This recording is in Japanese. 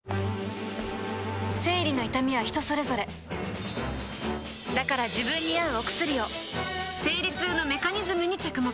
生理の痛みは人それぞれだから自分に合うお薬を生理痛のメカニズムに着目